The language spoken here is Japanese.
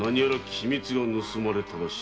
機密が盗まれたらしい。